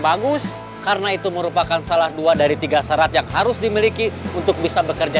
bagus karena itu merupakan salah dua dari tiga syarat yang harus dimiliki untuk bisa bekerja